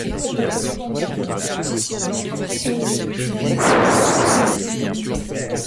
Pour des questions d'approvisionnement les croisés se répartissent en deux armées.